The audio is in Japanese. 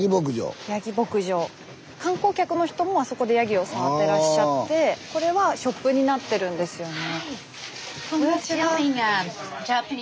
スタジオ観光客の人もあそこでヤギを触ってらっしゃってこれはショップになってるんですよね。